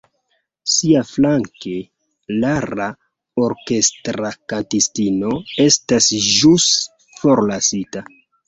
Siaflanke, Lara, orkestra kantistino, estas ĵus forlasita.